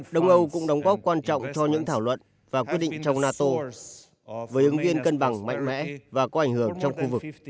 đông âu cũng đóng góp quan trọng cho những thảo luận và quyết định trong nato với ứng viên cân bằng mạnh mẽ và có ảnh hưởng trong khu vực